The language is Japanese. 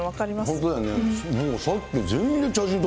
本当だよね。